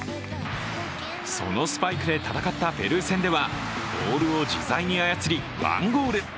そのスパイクで戦ったペルー戦ではボールを自在に操り１ゴール。